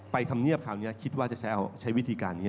ธรรมเนียบคราวนี้คิดว่าจะใช้วิธีการนี้